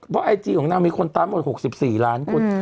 เพราะไอจีของนางมีคนตามหมด๖๔ล้านคน